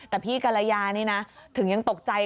แต่พี่กัลลายาถึงยังตกใจ